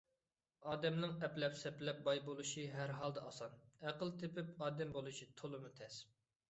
ئادەمنىڭ ئەپلەپ - سەپلەپ باي بولۇشى ھەر ھالدا ئاسان؛ ئەقىل تېپىپ ئادەم بولۇشى تولىمۇ تەس.